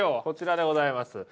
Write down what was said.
こちらでございます。